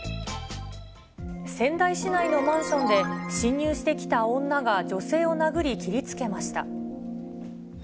仙台市内のマンションで侵入してきた女が女性を殴り、切りつけました。